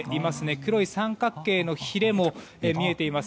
黒い三角形のひれも見えています。